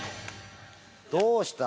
どうした？